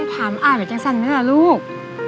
ได้ถามอ้าวอย่างสั้นมั้ยล่ะลูก